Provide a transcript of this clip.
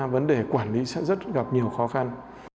vấn đề quản lý sẽ rất gặp nhiều khó khăn